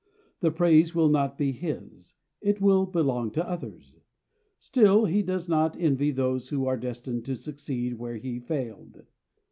The praise will not be his; it will belong to others. Still, he does not envy those who are destined to succeed where he failed.